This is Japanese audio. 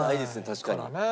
確かに。